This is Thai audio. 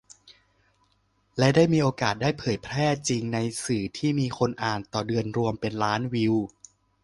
และมีโอกาสได้เผยแพร่จริงในสื่อที่มีคนอ่านต่อเดือนรวมเป็นล้านวิว